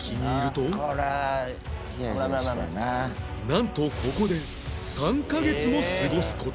なんとここで３カ月も過ごす事に